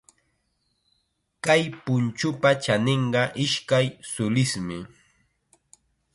Kay punchupa chaninqa ishkay sulismi.